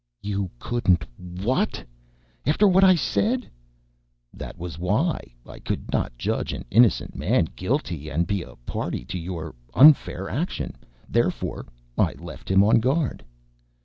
"You couldn't WHAT? After what I said " "That was why. I could not judge an innocent man guilty and be a party to your unfair action. Therefore, I left him on guard."